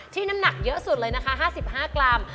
ที่น้ำหนักเยอะสุดเลย๕๕กรัม